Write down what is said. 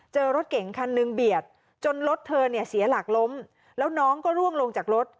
รถเก่งคันหนึ่งเบียดจนรถเธอเนี่ยเสียหลักล้มแล้วน้องก็ร่วงลงจากรถ